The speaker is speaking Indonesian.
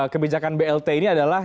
kebijakan blt ini adalah